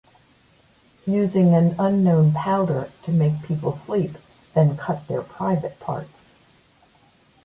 Using an unknown powder to make people sleep then cut their private parts.